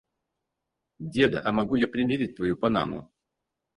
Деда, а могу я примерить твою панаму?